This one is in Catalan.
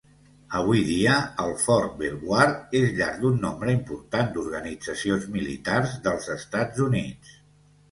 Avui dia, el Fort Belvoir és llar d'un nombre important d'organitzacions militars dels Estats Units.